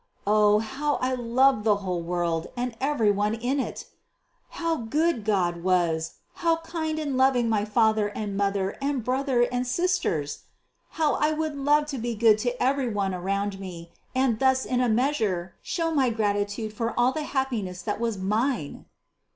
Oh, how I loved the whole world and every one in it! how good God was, how kind and loving my father and mother and brother and sisters! How I would love to be good to every one around me, and thus in a measure show my gratitude for all the happiness that was mine!